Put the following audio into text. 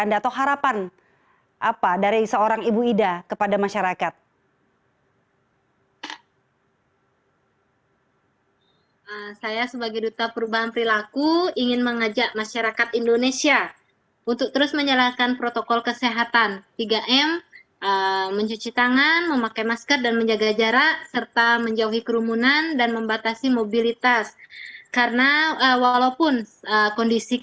dan tentunya pemirsa kami juga ajak anda untuk berkongsi